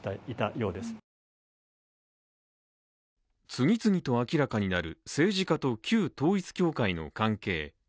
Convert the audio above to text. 次々と明らかになる政治家と旧統一教会の関係